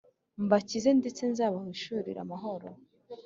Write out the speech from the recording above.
mbakize ndetse nzabahishurira amahoro